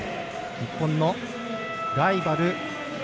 日本のライバル